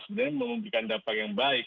sebenarnya memberikan dampak yang baik